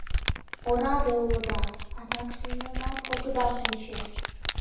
Ораде улыда, адакше нимомат огыда шинче.